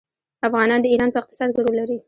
افغانان د ایران په اقتصاد کې رول لري.